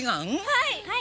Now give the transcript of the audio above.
はい！